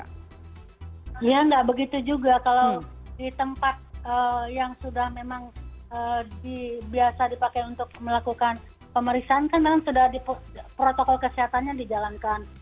kalau di tempat yang sudah memang biasa dipakai untuk melakukan pemeriksaan kan memang sudah protokol kesehatannya dijalankan